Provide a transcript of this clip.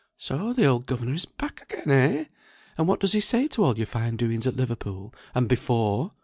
"So the old governor is back again, eh? And what does he say to all your fine doings at Liverpool, and before?